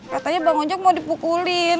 katanya bang unjuk mau dipukulin